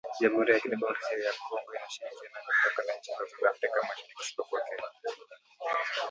Jamuhuri ya Kidemokrasia ya Kongo inashirikiana mipaka na nchi zote za Afrika Mashariki isipokuwa Kenya